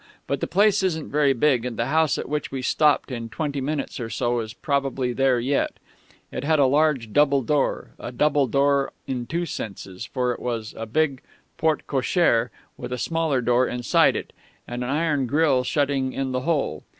But the place isn't very big, and the house at which we stopped in twenty minutes or so is probably there yet. It had a large double door a double door in two senses, for it was a big porte cochère with a smaller door inside it, and an iron grille shutting in the whole.